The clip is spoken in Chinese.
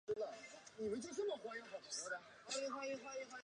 毕业于山东农业大学农学专业。